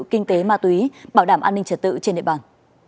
kinh tế ma túy bảo đảm an ninh trật tự trên địa bàn